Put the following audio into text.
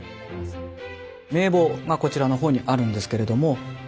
名簿がこちらの方にあるんですけれども。